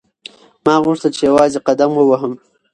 ما غوښتل چې یوازې قدم ووهم.